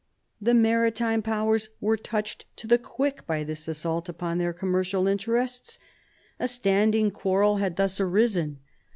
The Maritime Powers were touched to the quick by this assault upon their commercial interests. A standing quarrel had thus arisen.